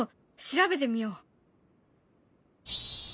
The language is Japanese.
調べてみよう。